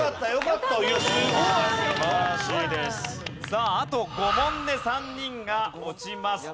さああと５問で３人が落ちます。